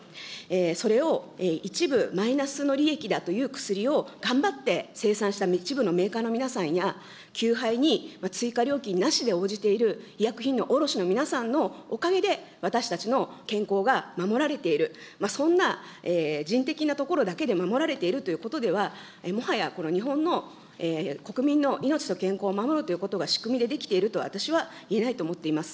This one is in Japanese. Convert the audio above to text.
それを一部マイナスの利益だという薬を頑張って生産した一部のメーカーの皆さんや、急配に追加料金なしで応じている医薬品の卸しの皆さんのおかげで、私たちの健康が守られている、そんな人的なところだけで守られているというところだけでは、もはや日本の国民の命と健康を守るということが仕組みでできていると私は言えないと思っています。